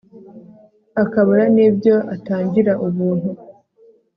akabura n'ibyo atangira ubuntu